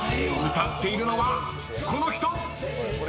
［歌っているのはこの人！］